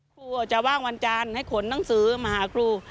ครูจะว่างวันจันทร์ให้ขนหนังสือมาหาครู